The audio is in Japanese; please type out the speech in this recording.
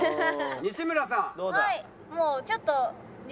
もうちょっと。